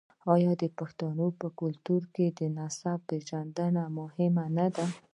آیا د پښتنو په کلتور کې د نسب پیژندنه مهمه نه ده؟